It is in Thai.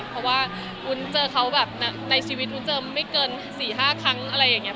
เพราะว่าวุ้นเจอเขาแบบในชีวิตวุ้นเจอไม่เกิน๔๕ครั้งอะไรอย่างนี้